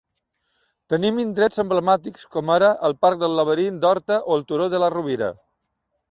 Tenim indrets emblemàtics com ara el parc del Laberint d'Horta o el Turó de la Rovira.